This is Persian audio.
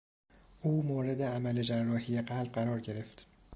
او مورد عمل جراحی قلب قرار گرفت.